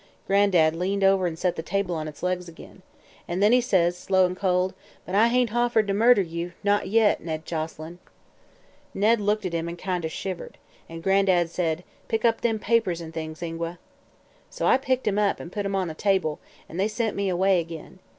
"Gran'dad leaned over an' set the table on its legs ag'in. An' then he says slow an' cold: 'But I hain't offered to murder you; not yet, Ned Joselyn!' "Ned looked at him an' kinder shivered. An' Gran'dad said: 'Pick up them papers an' things, Ingua.' "So I picked 'em up an' put 'em on the table an' they sent me away ag'in.